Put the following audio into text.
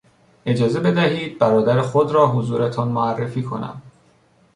اجازه بدهید برادر خود را حضورتان معرفی کنم.